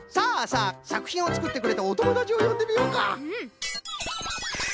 さくひんをつくってくれたおともだちをよんでみようか。